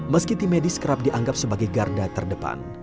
meski tim medis kerap dianggap sebagai garda terdepan